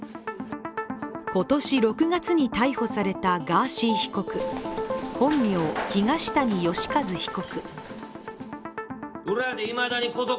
今年６月に逮捕されたガーシー被告、本名、東谷義和被告。